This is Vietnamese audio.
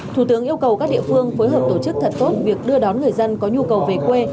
thủ tướng yêu cầu các địa phương phối hợp tổ chức thật tốt việc đưa đón người dân có nhu cầu về quê